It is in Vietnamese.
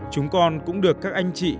chúng con cũng được các anh chị